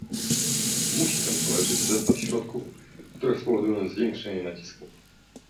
Musi temu towarzyszyć zestaw środków, które spowodują zwiększenie nacisku